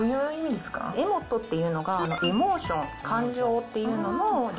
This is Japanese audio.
エモットっていうのがエモーション、感情っていうのの略。